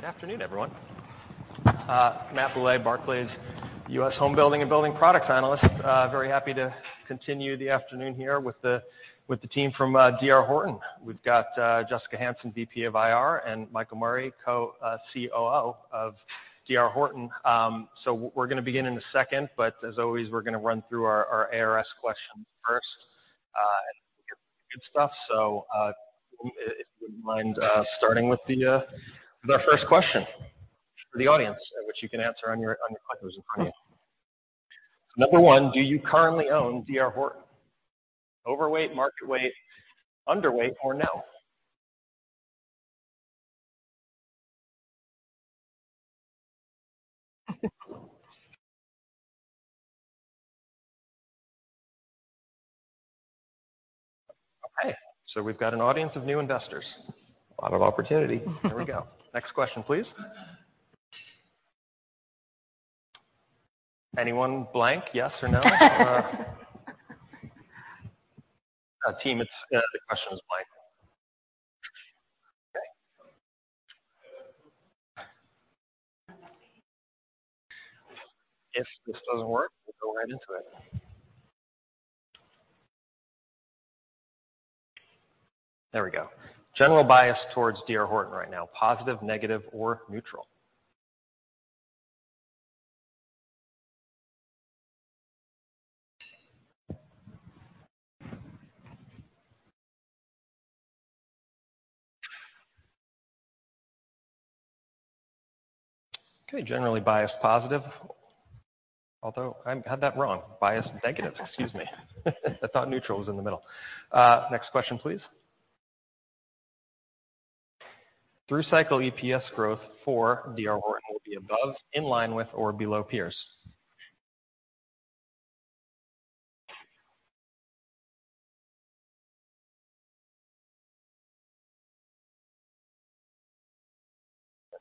Good afternoon, everyone. Matthew Bouley, Barclays US Home Building and Building Products Analyst. very happy to continue the afternoon here with the team from D.R. Horton. We've got Jessica Hansen, VP of IR, and Michael Murray, COO of D.R. Horton. We're going to begin in a second, but as always, we're going to run through our ARS questions first and get the good stuff. If you wouldn't mind starting with our first question for the audience, which you can answer on your, on your clickers in front of you. Number one, do you currently own D.R. Horton? Overweight, market weight, underweight, or no? Okay, we've got an audience of new investors. A lot of opportunity. Here we go. Next question, please. Anyone? Blank? Yes or no? Team, it's, the question is blank. Okay. If this doesn't work, we'll go right into it. There we go. General bias towards D.R. Horton right now, positive, negative, or neutral? Okay. Generally biased positive, although I had that wrong. Biased negative, excuse me. I thought neutral was in the middle. Next question, please. Through cycle EPS growth for D.R. Horton will be above, in line with, or below peers.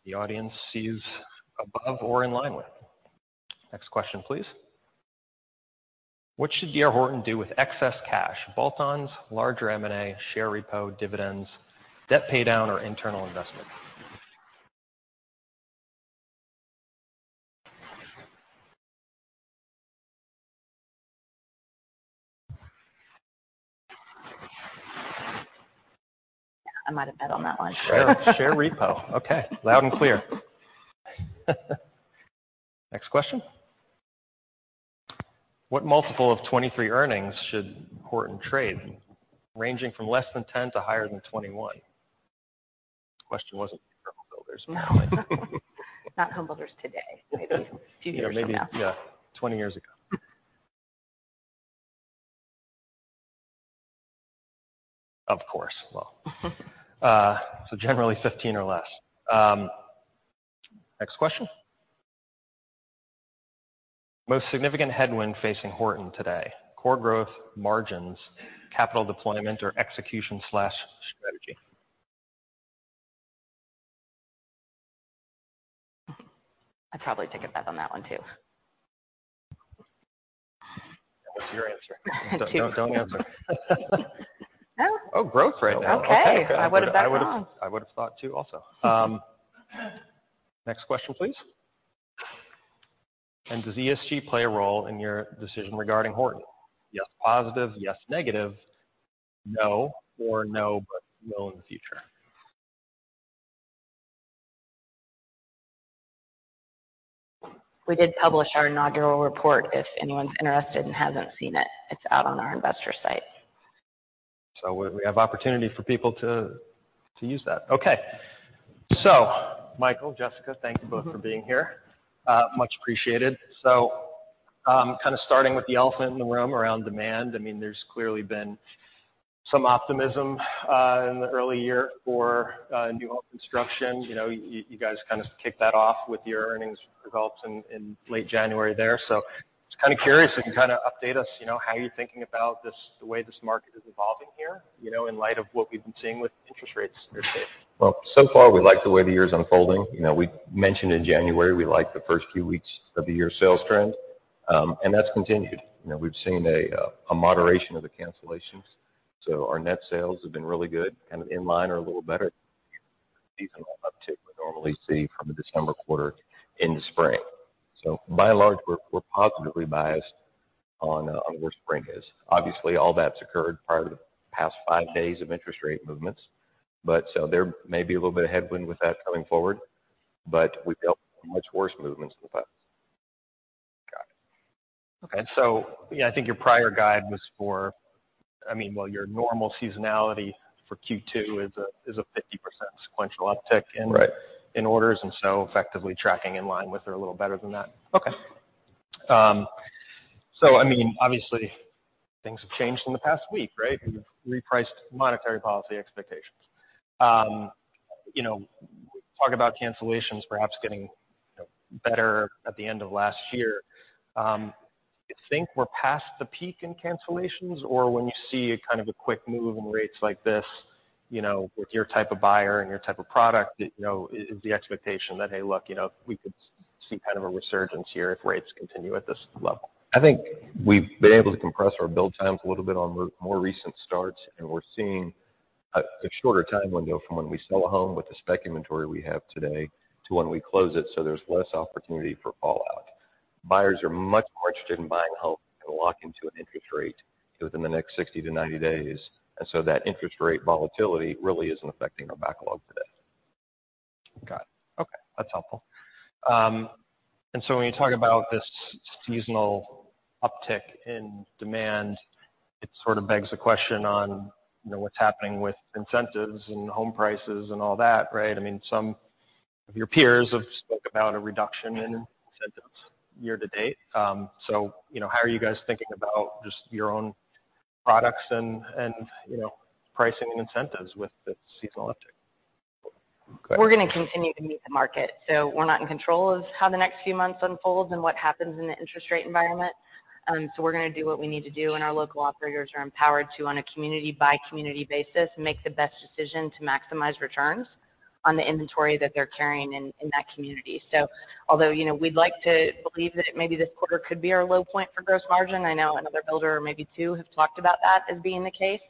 The audience sees above or in line with. Next question, please. What should D.R. Horton do with excess cash? Bolt-ons, larger M&A, share repo, dividends, debt paydown, or internal investment. I might have bet on that one. Share repo. Okay. Loud and clear. Next question. What multiple of 2023 earnings should Horton trade, ranging from less than 10 to higher than 21? This question wasn't for homebuilders normally. Not homebuilders today. Maybe a few years from now. Yeah, maybe, yeah, 20 years ago. Of course. Well. Generally 15 or less. Next question. Most significant headwind facing Horton today, core growth, margins, capital deployment, or execution/strategy. I'd probably take a bet on that one too. What's your answer? Don't answer. Oh. Oh, growth right now. Okay. Okay. I would have bet wrong. I would have thought too also. Next question, please. Does ESG play a role in your decision regarding Horton? Yes, positive, yes, negative, no, or no, but no in the future. We did publish our inaugural report, if anyone's interested and hasn't seen it. It's out on our investor site. We have opportunity for people to use that. Okay. Michael, Jessica, thank you both for being here. Much appreciated. Kind of starting with the elephant in the room around demand. I mean, there's clearly been some optimism in the early year for new home construction. You know, you guys kind of kicked that off with your earnings results in late January there. Just kind of curious if you kind of update us, you know, how you're thinking about this, the way this market is evolving here, you know, in light of what we've been seeing with interest rates year to date. Well, so far, we like the way the year is unfolding. You know, we mentioned in January, we like the first few weeks of the year sales trend, and that's continued. You know, we've seen a moderation of the cancellations. Our net sales have been really good and in line or a little better than the seasonal uptick we normally see from the December quarter into spring. By and large, we're positively biased on where spring is. Obviously, all that's occurred prior to the past five days of interest rate movements. There may be a little bit of headwind with that coming forward, but we've dealt with much worse movements in the past. Got it. Okay. Yeah, I think your prior guide was for, I mean while your normal seasonality for Q2 is a 50% sequential uptick. Right. In orders, effectively tracking in line with or a little better than that. Okay. I mean, obviously things have changed in the past week, right? We've repriced monetary policy expectations. You know, we talk about cancellations perhaps getting, you know, better at the end of last year. Do you think we're past the peak in cancellations or when you see a kind of a quick move in rates like this, you know, with your type of buyer and your type of product, you know, is the expectation that, hey, look, you know, we could see kind of a resurgence here if rates continue at this level? I think we've been able to compress our build times a little bit on more recent starts, and we're seeing a shorter time window from when we sell a home with the spec inventory we have today to when we close it, so there's less opportunity for fallout. Buyers are much more interested in buying a home and lock into an interest rate within the next 60 to 90 days. So that interest rate volatility really isn't affecting our backlog today. Got it. Okay, that's helpful. When you talk about this seasonal uptick in demand, it sort of begs the question on, you know, what's happening with incentives and home prices and all that, right? I mean, some of your peers have spoke about a reduction in incentives year to date. You know, how are you guys thinking about just your own products and, you know, pricing and incentives with the seasonal uptick? Go ahead. We're gonna continue to meet the market. We're not in control of how the next few months unfolds and what happens in the interest rate environment. We're gonna do what we need to do, and our local operators are empowered to, on a community by community basis, make the best decision to maximize returns on the inventory that they're carrying in that community. Although, you know, we'd like to believe that maybe this quarter could be our low point for gross margin, I know another builder or maybe two have talked about that as being the case.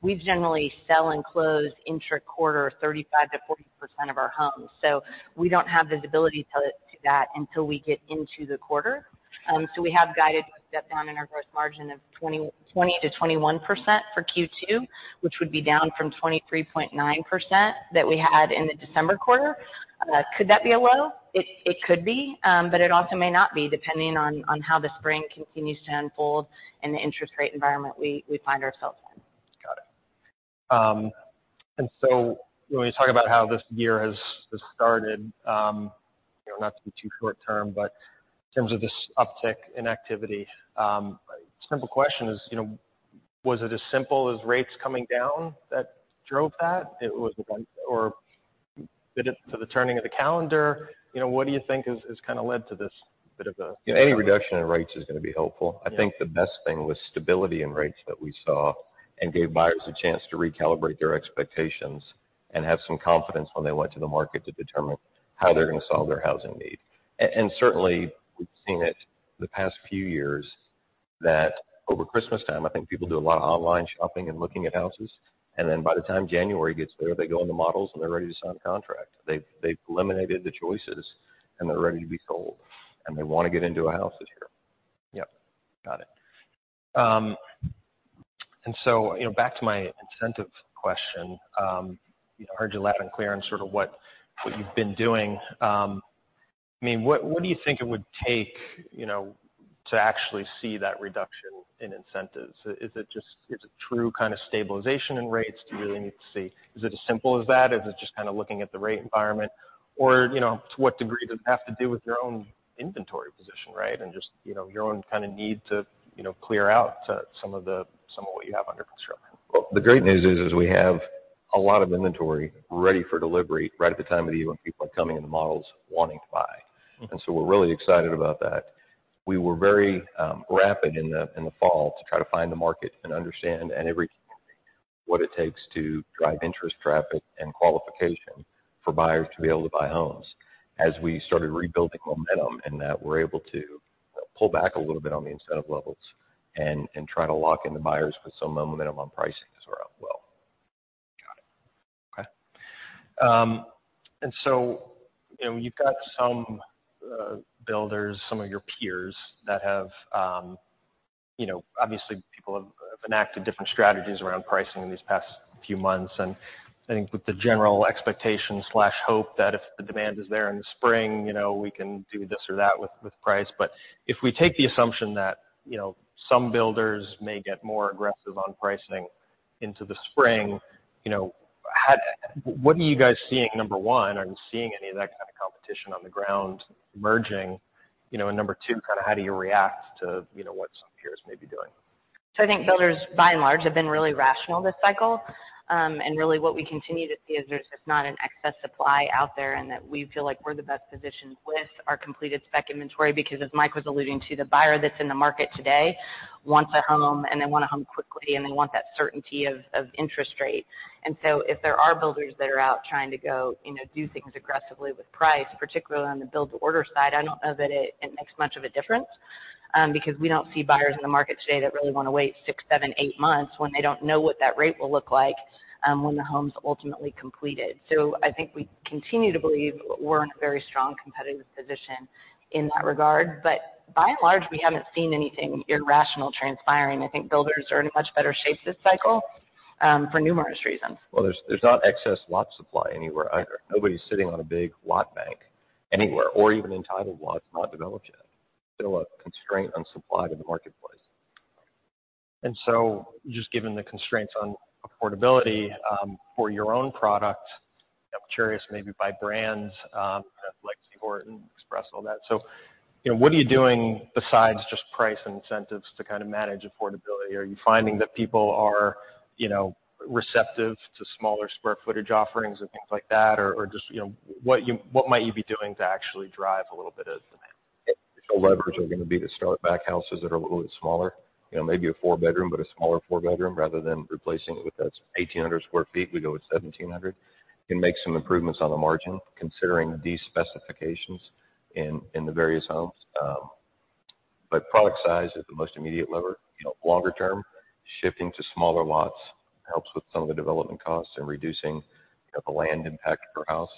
We generally sell and close intra-quarter 35%-40% of our homes. We don't have visibility to that until we get into the quarter. We have guided step down in our gross margin of 20%-21% for Q2, which would be down from 23.9% that we had in the December quarter. Could that be a low? It could be, but it also may not be, depending on how the spring continues to unfold and the interest rate environment we find ourselves in. Got it. When you talk about how this year has started, you know, not to be too short-term, but in terms of this uptick in activity, simple question is, you know, was it as simple as rates coming down that drove that? The turning of the calendar, you know, what do you think has kind of led to this? Any reduction in rates is going to be helpful. Yeah. I think the best thing was stability in rates that we saw and gave buyers a chance to recalibrate their expectations and have some confidence when they went to the market to determine how they're going to solve their housing need. Certainly we've seen it the past few years that over Christmas time, I think people do a lot of online shopping and looking at houses, and then by the time January gets there, they go in the models, and they're ready to sign a contract. They've eliminated the choices, and they're ready to be sold, and they want to get into a house this year. Yep. Got it. You know, back to my incentive question, I heard you loud and clear on sort of what you've been doing. I mean, what do you think it would take, you know, to actually see that reduction in incentives? Is it true kind of stabilization in rates do you really need to see? Is it as simple as that? Is it just kind of looking at the rate environment or, you know, to what degree does it have to do with your own inventory position, right? You know, your own kind of need to, you know, clear out some of what you have under construction. Well, the great news is we have a lot of inventory ready for delivery right at the time of the year when people are coming in the models wanting to buy. Mm-hmm. We're really excited about that. We were very rapid in the fall to try to find the market and understand in every community what it takes to drive interest, traffic and qualification for buyers to be able to buy homes. As we started rebuilding momentum and that we're able to pull back a little bit on the incentive levels and try to lock in the buyers with some momentum on pricing as well. Got it. Okay. you know, you've got some builders, some of your peers that have, you know, obviously people have enacted different strategies around pricing in these past few months. I think with the general expectation/hope that if the demand is there in the spring, you know, we can do this or that with price. If we take the assumption that, you know, some builders may get more aggressive on pricing into the spring, What are you guys seeing? Number one, are you seeing any of that kind of competition on the ground merging? Number two, kind of how do you react to, you know, what some peers may be doing? I think builders by and large, have been really rational this cycle. Really what we continue to see is there's just not an excess supply out there, and that we feel like we're the best positioned with our completed spec inventory because as Mike was alluding to, the buyer that's in the market today wants a home, and they want a home quickly, and they want that certainty of interest rate. If there are builders that are out trying to go, you know, do things aggressively with price, particularly on the build to order side, I don't know that it makes much of a difference, because we don't see buyers in the market today that really want to wait six, seven, eight months when they don't know what that rate will look like, when the home's ultimately completed. I think we continue to believe we're in a very strong competitive position in that regard. By and large, we haven't seen anything irrational transpiring. I think builders are in a much better shape this cycle, for numerous reasons. Well, there's not excess lot supply anywhere either. Nobody's sitting on a big lot bank anywhere or even in titled lots not developed yet. Still a constraint on supply to the marketplace. Just given the constraints on affordability, for your own product, I'm curious maybe by brands, like Horton Express, all that. You know, what are you doing besides just price and incentives to kind of manage affordability? Are you finding that people are, you know, receptive to smaller square footage offerings and things like that? Or, just, you know, what might you be doing to actually drive a little bit of that? The levers are going to be to start back houses that are a little bit smaller, you know, maybe a four-bedroom, but a smaller four-bedroom, rather than replacing it with that 1,800 sq ft, we go with 1,700 sq ft. Can make some improvements on the margin considering these specifications in the various homes. Product size is the most immediate lever. You know, longer term, shifting to smaller lots helps with some of the development costs and reducing, you know, the land impact per house,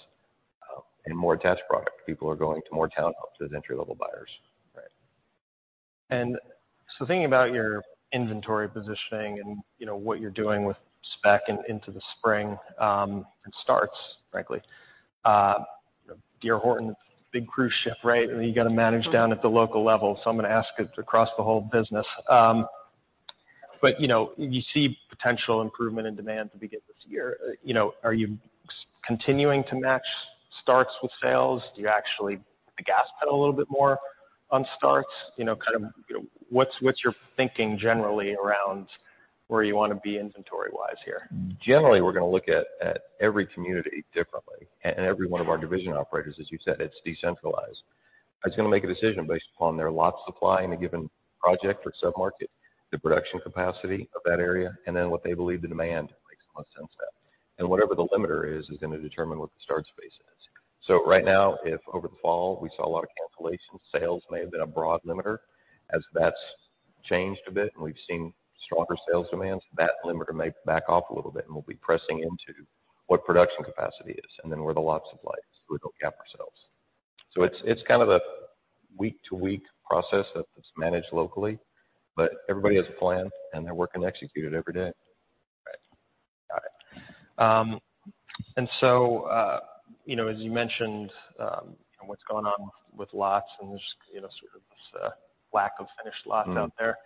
and more attached product. People are going to more townhomes as entry-level buyers. Right. Thinking about your inventory positioning and you know what you're doing with spec into the spring, and starts, frankly, D.R. Horton's a big cruise ship, right? You got to manage down at the local level. I'm going to ask it across the whole business. You know, you see potential improvement in demand to begin this year. You know, are you continuing to match starts with sales? Do you actually hit the gas pedal a little bit more on starts? You know, kind of, you know, what's your thinking generally around where you want to be inventory-wise here? Generally, we're going to look at every community differently and every one of our division operators. As you said, it's decentralized. It's going to make a decision based upon their lot supply in a given project or sub-market, the production capacity of that area, and then what they believe the demand makes the most sense at. Whatever the limiter is is going to determine what the start space is. Right now, if over the fall we saw a lot of cancellations, sales may have been a broad limiter. As that's changed a bit and we've seen stronger sales demands, that limiter may back off a little bit, and we'll be pressing into what production capacity is and then where the lot supply is. We go cap ourselves. It's kind of a week-to-week process that's managed locally, but everybody has a plan, and they're working to execute it every day. Right. Got it. You know, as you mentioned, what's going on with lots and there's, you know, sort of this, lack of finished lots out there.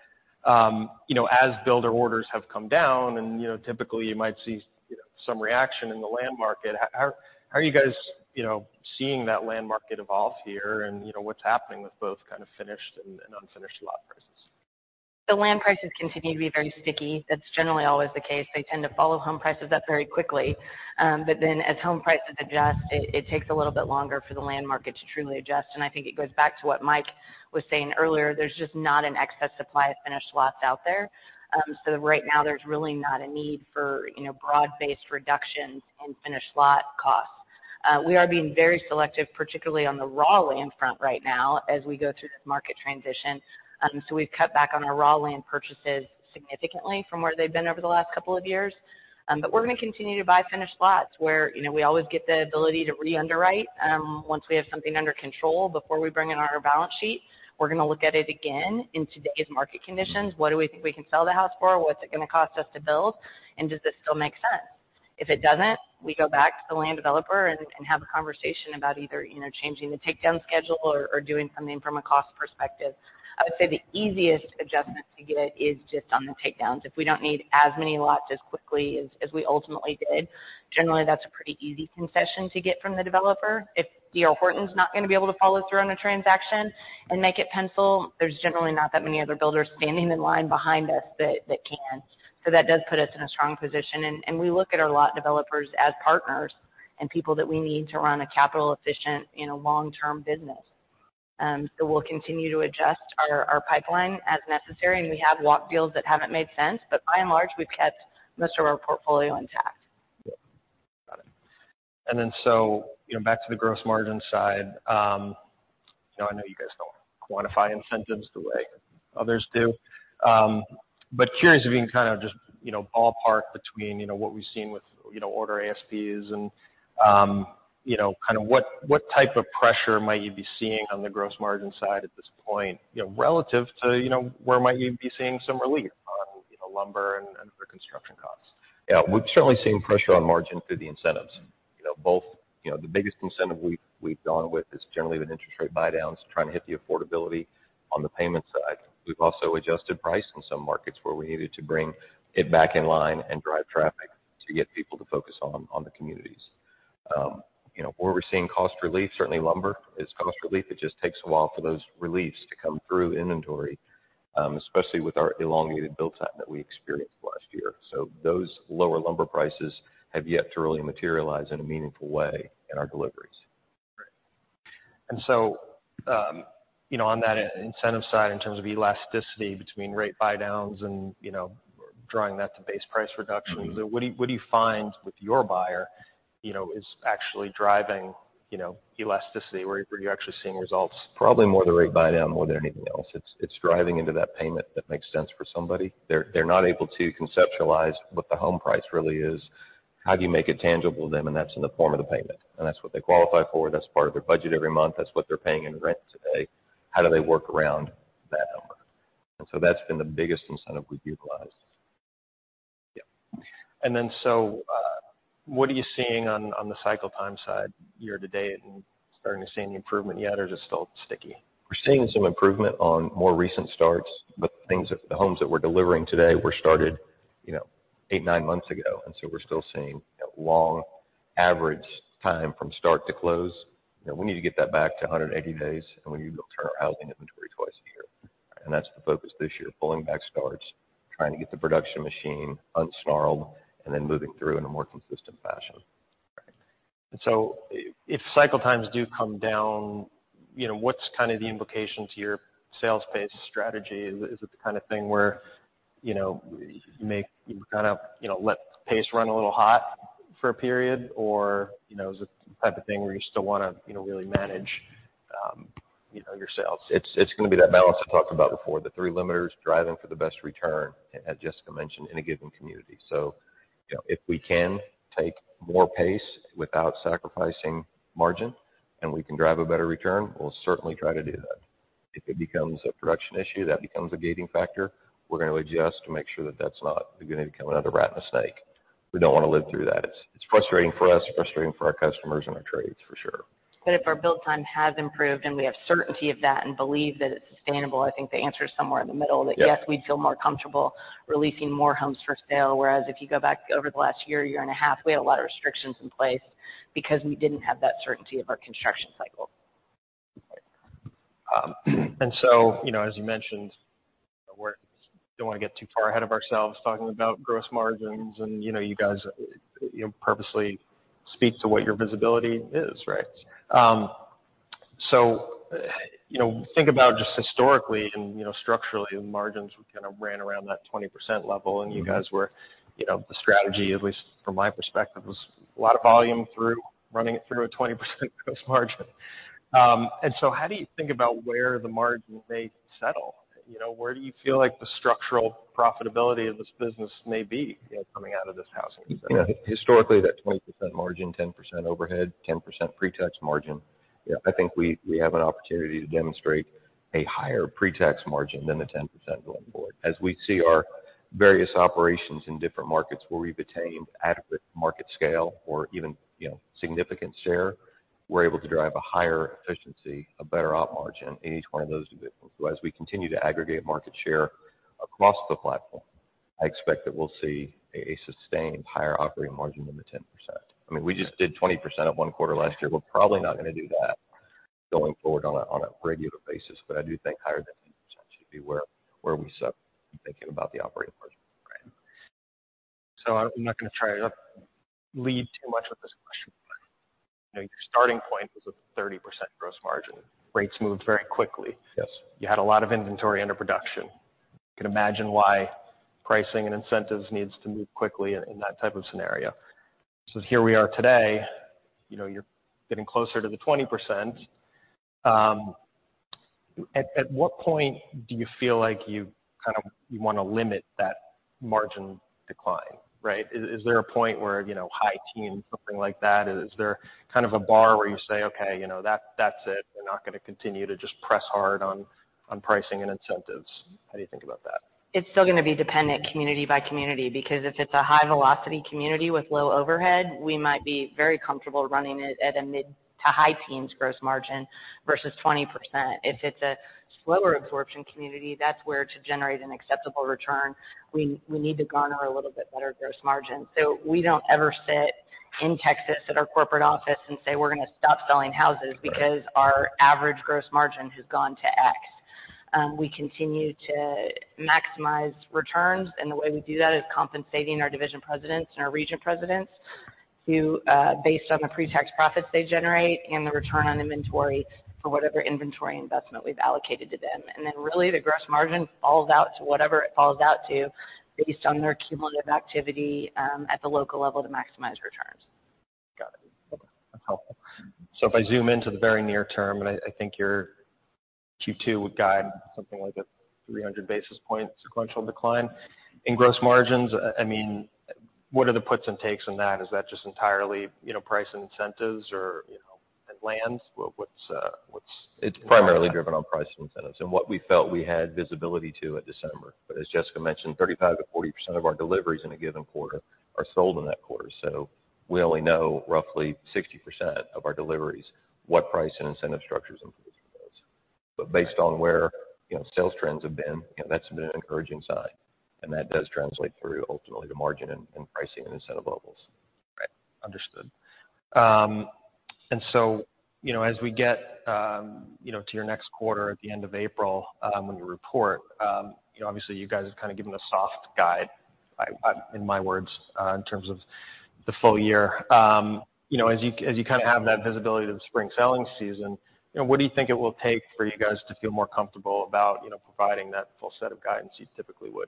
You know, as builder orders have come down and, you know, typically you might see, you know, some reaction in the land market. How are you guys, you know, seeing that land market evolve here and, you know, what's happening with both kind of finished and unfinished lot prices? The land prices continue to be very sticky. That's generally always the case. They tend to follow home prices up very quickly. As home prices adjust, it takes a little bit longer for the land market to truly adjust. I think it goes back to what Mike was saying earlier. There's just not an excess supply of finished lots out there. Right now there's really not a need for, you know, broad-based reductions in finished lot costs. We are being very selective, particularly on the raw land front right now as we go through this market transition. We've cut back on our raw land purchases significantly from where they've been over the last couple of years. We're gonna continue to buy finished lots where, you know, we always get the ability to re-underwrite. Once we have something under control, before we bring in our balance sheet, we're gonna look at it again in today's market conditions. What do we think we can sell the house for? What's it gonna cost us to build? Does this still make sense? If it doesn't, we go back to the land developer and have a conversation about either, you know, changing the takedown schedule or doing something from a cost perspective. I would say the easiest adjustment to get is just on the takedowns. If we don't need as many lots as quickly as we ultimately did, generally that's a pretty easy concession to get from the developer. If D.R. Horton's not gonna be able to follow through on a transaction and make it pencil, there's generally not that many other builders standing in line behind us that can. That does put us in a strong position. And we look at our lot developers as partners and people that we need to run a capital-efficient, you know, long-term business. We'll continue to adjust our pipeline as necessary. We have walked deals that haven't made sense. By and large, we've kept most of our portfolio intact. Got it. You know, back to the gross margin side, you know, I know you guys don't quantify incentives the way others do. Curious if you can kind of just, you know, ballpark between, you know, what we've seen with, you know, order ASP and, you know, kind of what type of pressure might you be seeing on the gross margin side at this point, you know, relative to, you know, where might you be seeing some relief on, you know, lumber and other construction costs? Yeah. We've certainly seen pressure on margin through the incentives. You know, both, the biggest incentive we've gone with is generally the interest rate buydowns, trying to hit the affordability on the payment side. We've also adjusted price in some markets where we needed to bring it back in line and drive traffic to get people to focus on the communities. You know, where we're seeing cost relief, certainly lumber is cost relief. It just takes a while for those reliefs to come through inventory, especially with our elongated build time that we experienced last year. Those lower lumber prices have yet to really materialize in a meaningful way in our deliveries. Right. you know, on that incentive side, in terms of elasticity between rate buydowns and, you know, drawing that to base price reductions. Mm-hmm. What do you find with your buyer, you know, is actually driving, you know, elasticity? Where are you actually seeing results? Probably more the rate buydown more than anything else. It's driving into that payment that makes sense for somebody. They're not able to conceptualize what the home price really is. How do you make it tangible to them? That's in the form of the payment. That's what they qualify for. That's part of their budget every month. That's what they're paying in rent today. How do they work around that number? That's been the biggest incentive we've utilized. Yeah. What are you seeing on the cycle time side year to date? Starting to see any improvement yet or just still sticky? We're seeing some improvement on more recent starts, but the homes that we're delivering today were started, you know, eight, nine months ago, and so we're still seeing long average time from start to close. You know, we need to get that back to 180 days, and we need to turn our housing inventory. That's the focus this year, pulling back starts, trying to get the production machine unsnarled and then moving through in a more consistent fashion. Right. If cycle times do come down, you know, what's kind of the implication to your sales-based strategy? Is it the kind of thing where, you know, you kind of, you know, let pace run a little hot for a period or, you know, is it the type of thing where you still wanna, you know, really manage, you know, your sales? It's gonna be that balance I talked about before, the three limiters driving for the best return, as Jessica mentioned, in a given community. You know, if we can take more pace without sacrificing margin, and we can drive a better return, we'll certainly try to do that. If it becomes a production issue, that becomes a gating factor, we're gonna adjust to make sure that that's not gonna become another rat in a snake. We don't wanna live through that. It's frustrating for us, frustrating for our customers and our trades for sure. If our build time has improved and we have certainty of that and believe that it's sustainable, I think the answer is somewhere in the middle. Yeah. Yes, we'd feel more comfortable releasing more homes for sale, whereas if you go back over the last year and a half, we had a lot of restrictions in place because we didn't have that certainty of our construction cycle. You know, as you mentioned, don't wanna get too far ahead of ourselves talking about gross margins and, you know, you guys, you know, purposely speak to what your visibility is, right? You know, think about just historically and, you know, structurally, the margins kind of ran around that 20% level. Mm-hmm. You guys were, you know, the strategy, at least from my perspective, was a lot of volume through running it through a 20% gross margin. How do you think about where the margin may settle? You know, where do you feel like the structural profitability of this business may be, you know, coming out of this housing? Historically, that 20% margin, 10% overhead, 10% pre-tax margin. I think we have an opportunity to demonstrate a higher pre-tax margin than the 10% going forward. As we see our various operations in different markets where we've attained adequate market scale or even, you know, significant share, we're able to drive a higher efficiency, a better operating margin in each one of those individuals. As we continue to aggregate market share across the platform, I expect that we'll see a sustained higher operating margin than the 10%. I mean, we just did 20% of one quarter last year. We're probably not gonna do that going forward on a regular basis, but I do think higher than 10% should be where we start thinking about the operating margin. Right. I'm not gonna try to lead too much with this question. You know, your starting point was a 30% gross margin. Rates moved very quickly. Yes. You had a lot of inventory under production. You can imagine why pricing and incentives needs to move quickly in that type of scenario. Here we are today, you know, you're getting closer to the 20%. At what point do you feel like you wanna limit that margin decline, right? Is there a point where, you know, high teen, something like that? Is there kind of a bar where you say, "Okay, you know, that's it. We're not gonna continue to just press hard on pricing and incentives." How do you think about that? It's still gonna be dependent community by community, because if it's a high velocity community with low overhead, we might be very comfortable running it at a mid to high teens gross margin versus 20%. If it's a slower absorption community, that's where to generate an acceptable return, we need to garner a little bit better gross margin. We don't ever sit in Texas at our corporate office and say, we're gonna stop selling houses because our average gross margin has gone to X. We continue to maximize returns, and the way we do that is compensating our division presidents and our region presidents to based on the pre-tax profits they generate and the return on inventory for whatever inventory investment we've allocated to them. Then really the gross margin falls out to whatever it falls out to based on their cumulative activity, at the local level to maximize returns. Got it. Okay. That's helpful. If I zoom into the very near term, I think your Q2 guide, something like a 300 basis point sequential decline. In gross margins, I mean, what are the puts and takes in that? Is that just entirely, you know, price incentives or, you know, lands? What, what's It's primarily driven on price incentives and what we felt we had visibility to at December. As Jessica mentioned, 35%-40% of our deliveries in a given quarter are sold in that quarter. We only know roughly 60% of our deliveries, what price and incentive structures influence those. Based on where, you know, sales trends have been, you know, that's been an encouraging sign, and that does translate through ultimately to margin and pricing and incentive levels. Right. Understood. You know, as we get, you know, to your next quarter at the end of April, when you report, you know, obviously you guys have kind of given a soft guide, in my words, in terms of the full year. You know, as you, as you kind of have that visibility to the spring selling season, you know, what do you think it will take for you guys to feel more comfortable about, you know, providing that full set of guidance you typically would?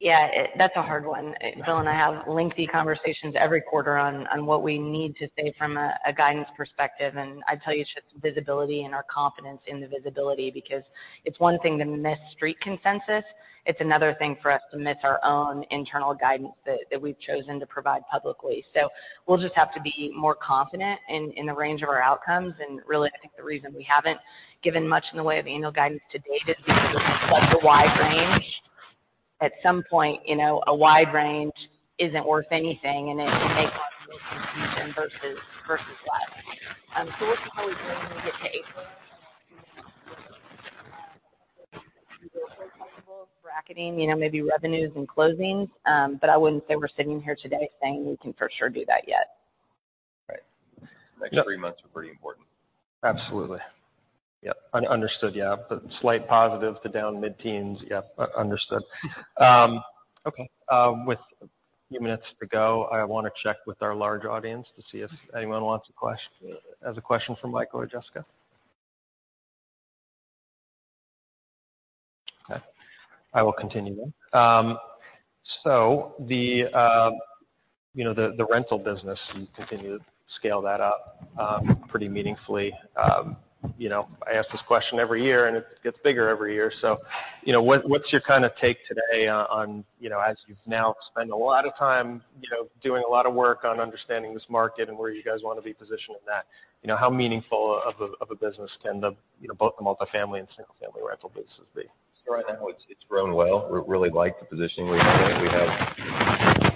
Yeah, that's a hard one. Bill and I have lengthy conversations every quarter on what we need to say from a guidance perspective. I'd tell you it's just visibility and our confidence in the visibility because it's one thing to miss street consensus. It's another thing for us to miss our own internal guidance that we've chosen to provide publicly. We'll just have to be more confident in the range of our outcomes. Really, I think the reason we haven't given much in the way of annual guidance to date is because it's such a wide range. At some point, you know, a wide range isn't worth anything, and it may cause more confusion versus less. We'll see how we're doing as it takes. Bracketing, you know, maybe revenues and closings. I wouldn't say we're sitting here today saying we can for sure do that yet. Next three months are pretty important. Absolutely. Yep. Understood, yeah. The slight positive to down mid-teens. Yep, understood. Okay. With a few minutes to go, I want to check with our large audience to see if anyone has a question for Michael or Jessica. I will continue then. The, you know, the rental business, you continue to scale that up pretty meaningfully. You know, I ask this question every year and it gets bigger every year. You know, what's your kind of take today on, you know, as you've now spent a lot of time, you know, doing a lot of work on understanding this market and where you guys wanna be positioned in that. You know, how meaningful of a, of a business can the, you know, both the multifamily and single family rental businesses be? Right now, it's grown well. We really like the positioning we have. We have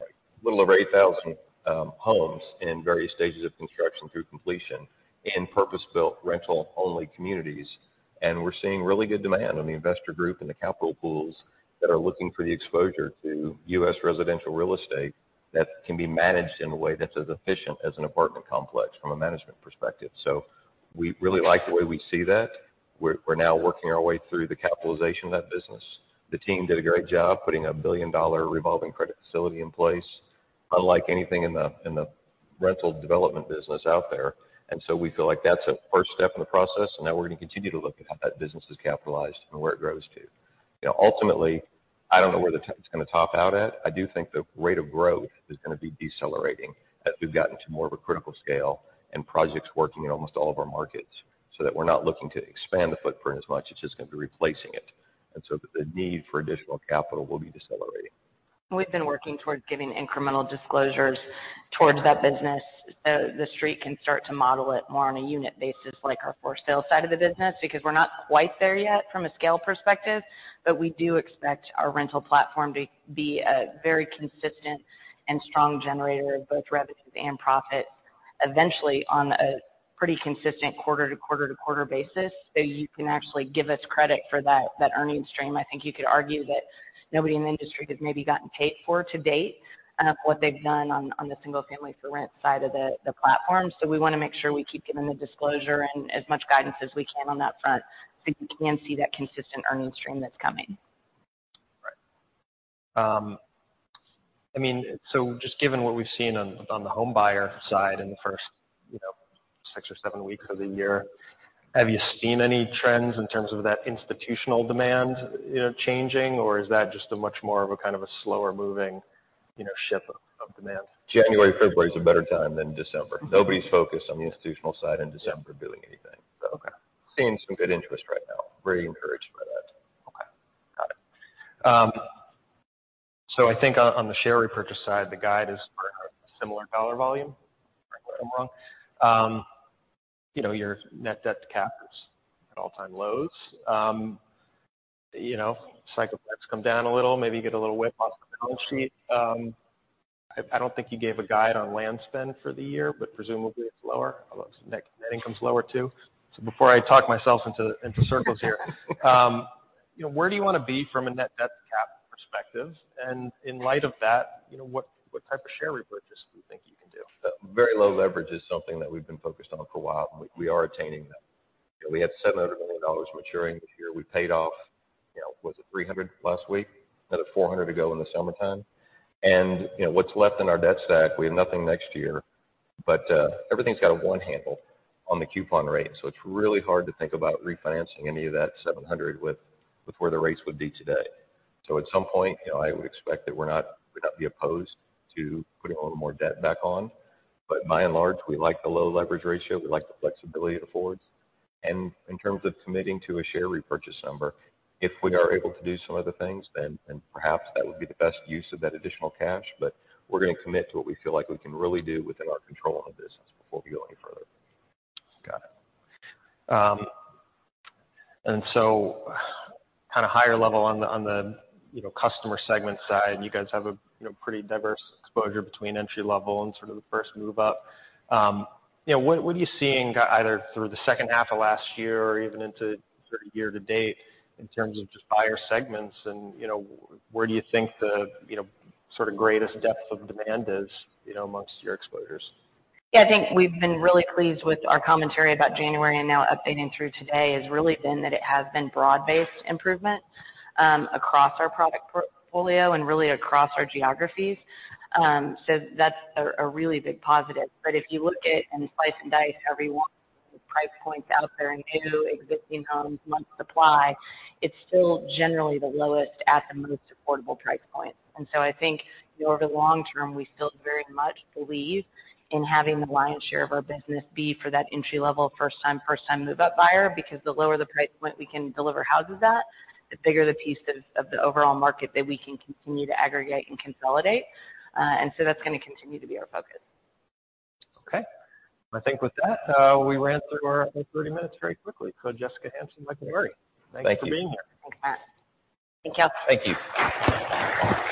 a little over 8,000 homes in various stages of construction through completion in purpose-built rental-only communities. We're seeing really good demand on the investor group and the capital pools that are looking for the exposure to U.S. residential real estate that can be managed in a way that's as efficient as an apartment complex from a management perspective. We really like the way we see that. We're now working our way through the capitalization of that business. The team did a great job putting a billion-dollar revolving credit facility in place, unlike anything in the rental development business out there. We feel like that's a first step in the process, and now we're gonna continue to look at how that business is capitalized and where it grows to. You know, ultimately, I don't know where the tech's gonna top out at. I do think the rate of growth is gonna be decelerating as we've gotten to more of a critical scale and projects working in almost all of our markets, so that we're not looking to expand the footprint as much. It's just gonna be replacing it. The need for additional capital will be decelerating. We've been working towards giving incremental disclosures towards that business. The street can start to model it more on a unit basis like our for-sale side of the business, because we're not quite there yet from a scale perspective. We do expect our rental platform to be a very consistent and strong generator of both revenues and profits eventually on a pretty consistent quarter to quarter to quarter basis. You can actually give us credit for that earnings stream. I think you could argue that nobody in the industry has maybe gotten paid for to date, what they've done on the single family for rent side of the platform. We wanna make sure we keep giving the disclosure and as much guidance as we can on that front, so you can see that consistent earnings stream that's coming. Right. I mean, just given what we've seen on the home buyer side in the first, you know, six or seven weeks of the year, have you seen any trends in terms of that institutional demand, you know, changing, or is that just a much more of a kind of a slower moving, you know, ship of demand? January, February is a better time than December. Okay. Nobody's focused on the institutional side in December doing anything. Okay. Seeing some good interest right now. Very encouraged by that. Okay. Got it. I think on the share repurchase side, the guide is for a similar dollar volume. Correct me if I'm wrong. You know, your net debt-to-capital is at all-time lows. You know, cycle debts come down a little, maybe you get a little whip off the balance sheet. I don't think you gave a guide on land spend for the year, but presumably it's lower. Although some net income's lower, too. Before I talk myself into circles here. You know, where do you wanna be from a net debt-to-capital perspective? In light of that, you know, what type of share repurchase do you think you can do? Very low leverage is something that we've been focused on for a while, and we are attaining that. You know, we had $700 million maturing this year. We paid off, you know, was it $300 million last week? Another $400 million to go in the summertime. You know, what's left in our debt stack, we have nothing next year. Everything's got a 1 handle on the coupon rate, so it's really hard to think about refinancing any of that $700 million with where the rates would be today. At some point, you know, I would expect that we'd not be opposed to putting a little more debt back on. By and large, we like the low leverage ratio. We like the flexibility it affords. In terms of committing to a share repurchase number, if we are able to do some other things, then perhaps that would be the best use of that additional cash. We're gonna commit to what we feel like we can really do within our control of the business before we go any further. Got it. kind of higher level on the, you know, customer segment side, you guys have a, you know, pretty diverse exposure between entry-level and sort of the first move up. you know, what are you seeing either through the second half of last year or even into sort of year to date in terms of just buyer segments? You know, where do you think the, you know, sort of greatest depth of demand is, you know, amongst your exposures? Yeah, I think we've been really pleased with our commentary about January and now updating through today has really been that it has been broad-based improvement across our product portfolio and really across our geographies. So that's a really big positive. If you look at and slice and dice how we want price points out there in new existing homes, month supply, it's still generally the lowest at the most affordable price point. I think over the long term, we still very much believe in having the lion's share of our business be for that entry-level first time, first time move-up buyer, because the lower the price point we can deliver houses at, the bigger the piece of the overall market that we can continue to aggregate and consolidate. That's gonna continue to be our focus. Okay. I think with that, we ran through our, I think, 30 minutes very quickly. Jessica Hansen, Michael Murray. Thank you. Thanks for being here. Thanks, Matt. Thank you. Thank you.